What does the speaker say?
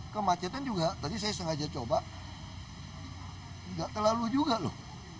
kemacetan juga tadi saya sengaja coba nggak terlalu juga loh